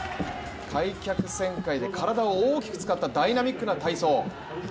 開脚旋回で体を大きく使ったダイナミックな体操。